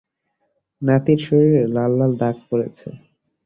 নাতির শরীরে লাল লাল দাগ পরেছে